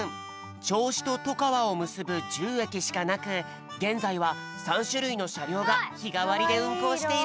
ちょうしととかわをむすぶ１０えきしかなくげんざいは３しゅるいのしゃりょうがひがわりでうんこうしているんだって。